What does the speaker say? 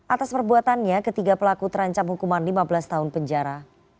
atas perbuatannya ketiga pelaku terancam hukuman lima belas tahun penjara